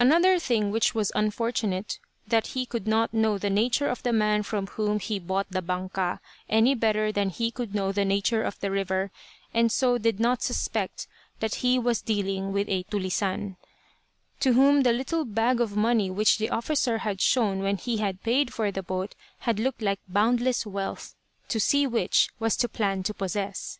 Another thing which was unfortunate; that he could not know the nature of the man from whom he bought the "banca," any better than he could know the nature of the river, and so did not suspect that he was dealing with a "tulisane," to whom the little bag of money which the officer had shown when he had paid for the boat had looked like boundless wealth, to see which was to plan to possess.